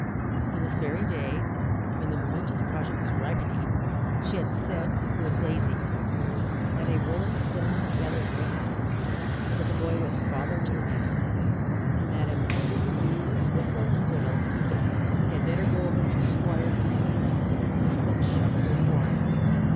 On this very day, when the momentous project was ripening, she had said he was lazy, that "a rolling stone gathered no moss," that the "boy was father to the man," and that if all he could do was to whistle and whittle, he had better go over to Squire Green's and help them shuck their corn.